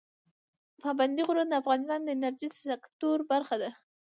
پابندی غرونه د افغانستان د انرژۍ سکتور برخه ده.